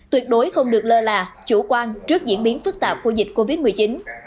tuyệt đối không được lơ là chủ quan trước diễn biến phức tạp của dịch covid một mươi chín